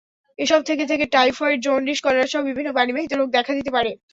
এসব থেকে থেকে টাইফয়েড, জন্ডিস, কলেরাসহ বিভিন্ন পানিবাহিত রোগ দেখা দিতে পারে।